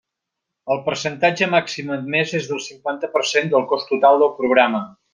El percentatge màxim admès és del cinquanta per cent del cost total del programa.